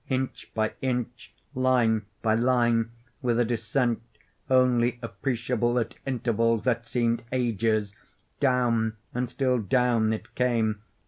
Inch by inch—line by line—with a descent only appreciable at intervals that seemed ages—down and still down it came!